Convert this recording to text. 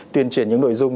tuyên truyền những nội dung